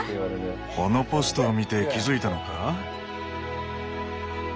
このポストを見て気付いたのか？